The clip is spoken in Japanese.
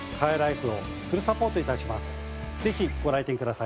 ぜひご来店ください。